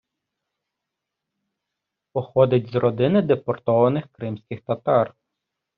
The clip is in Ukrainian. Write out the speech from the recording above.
Походить з родини депортованих кримських татар.